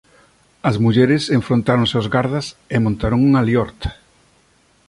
As mulleres enfrontáronse aos gardas e montaron unha liorta.